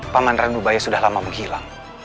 paman ranubaya sudah lama menghilang